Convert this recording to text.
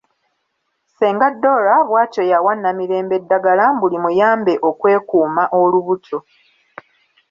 Ssenga Dora bwatyo yawa Namirembe eddagala mbu limuyambe okwekuuma olubuto.